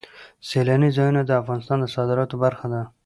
سیلانی ځایونه د افغانستان د صادراتو برخه ده.